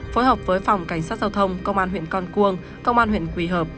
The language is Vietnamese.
phối hợp với phòng cảnh sát giao thông công an huyện con cuông công an huyện quỳ hợp